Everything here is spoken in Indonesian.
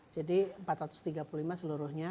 jadi empat ratus tiga puluh lima seluruhnya